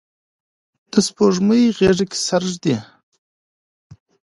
د سپوږمۍ غیږه کې سر ږدي